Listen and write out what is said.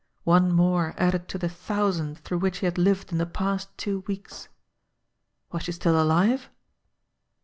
One more added to the thousand through which he had lived in the past two weeks. Was she still alive?